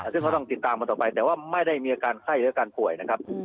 ซึ่งก็ต้องติดตามกันต่อไปแต่ว่าไม่ได้มีอาการไข้หรืออาการป่วยนะครับ